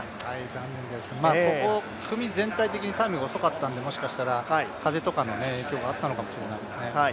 残念です、ここ組全体的にタイムが遅かったのでもしかしたら風とかの影響があったのかもしれないですね。